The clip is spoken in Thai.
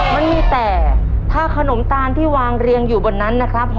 มันมีแต่ถ้าขนมตาลที่วางเรียงอยู่บนนั้นนะครับ